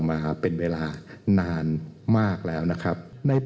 มาเป็นเวลานานมากแล้วนะครับ